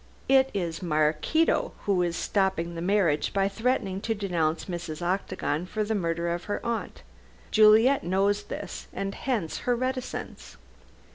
It is Maraquito who is stopping the marriage by threatening to denounce Mrs. Octagon for the murder of her aunt. Juliet knows this, and hence her reticence."